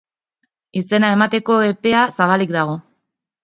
Izena emateko epea zabalik dago.